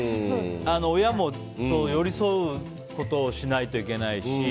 親も寄り添うことをしないといけないし。